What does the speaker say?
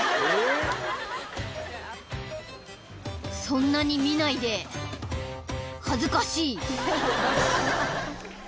「そんなに見ないで！恥ずかしい！」